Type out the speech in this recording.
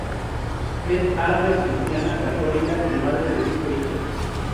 Es árabe cristiana católica y madre de cinco hijos.